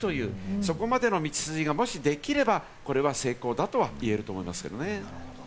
そこまでの道筋がもしできれば、これは成功だとは言えると思いますけれどもね。